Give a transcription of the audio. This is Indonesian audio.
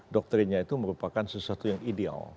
doktrinnya itu merupakan sesuatu yang ideal